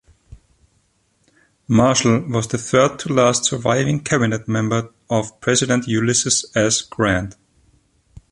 Marshall was the third to last surviving cabinet member of President Ulysses S. Grant.